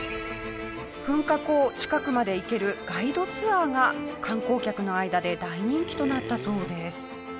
噴火口近くまで行けるガイドツアーが観光客の間で大人気となったそうです。